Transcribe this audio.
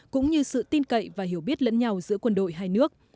cũng như sự tin cậy và hiểu biết lẫn nhau giữa quân đội hai nước